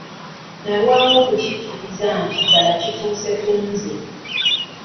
Nalwawo okukikkiriza nti ddala kituuse ku nze.